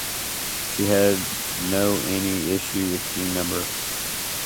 She had no any issue with King number